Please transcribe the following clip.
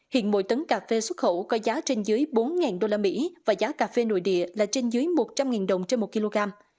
hiện mỗi tấn cà phê xuất khẩu có giá trên dưới bốn usd và giá cà phê nội địa là trên dưới một trăm linh đồng trên một kg